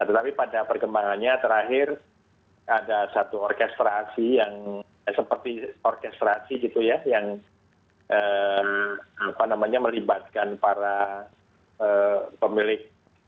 tetapi pada perkembangannya terakhir ada satu orkestrasi yang seperti orkestrasi gitu ya yang melibatkan para pemilik